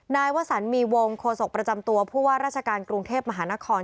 นายวสันมีวงโคศกประจำตัวผู้ว่าราชการกรุงเทพมหานคร